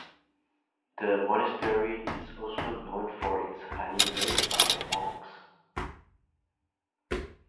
The monastery is also known for its honey made by the monks.